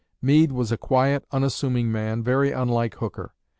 Meade was a quiet, unassuming man, very unlike Hooker.